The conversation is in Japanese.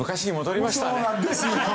そうなんですよ。